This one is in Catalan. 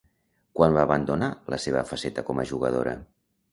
Quan va abandonar la seva faceta com a jugadora?